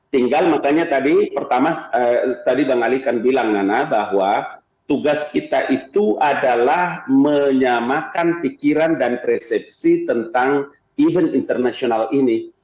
tinggal makanya tadi pertama tadi bang ali kan bilang nana bahwa tugas kita itu adalah menyamakan pikiran dan persepsi tentang event internasional ini